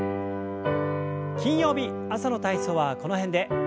金曜日朝の体操はこの辺で。